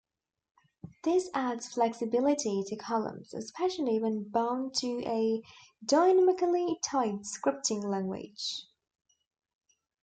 This adds flexibility to columns, especially when bound to a dynamically typed scripting language.